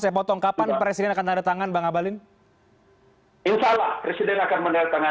saya mau tongkapan presiden akan ada tangan bang abalin hai insyaallah presiden akan menerima